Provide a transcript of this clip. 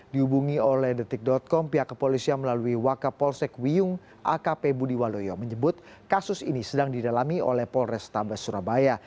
diubungi oleh detik com pihak kepolisian melalui wakapolsek wiyung akp budiwaloyo menyebut kasus ini sedang didalami oleh polres tambah surabaya